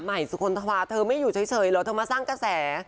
สุคลธวาเธอไม่อยู่เฉยเหรอเธอมาสร้างกระแส